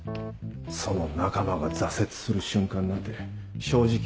その仲間が挫折する瞬間なんて正直見たくな。